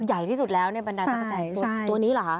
ใหญ่ที่สุดแล้วในบรรดาจักรตัวนี้เหรอคะ